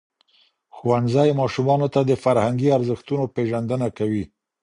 ښوونځی ماشومانو ته د فرهنګي ارزښتونو پېژندنه کوي.